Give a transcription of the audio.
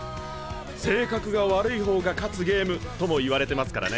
性格が悪い方が勝つゲームとも言われてますからね。